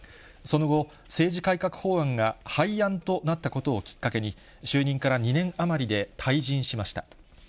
その後、政治改革法案が廃案となったことをきっかけに、就任から２年余りで退陣しました。